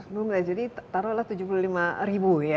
setara lah tujuh puluh lima ribu ya